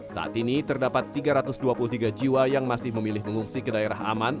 saat ini terdapat tiga ratus dua puluh tiga jiwa yang masih memilih mengungsi ke daerah aman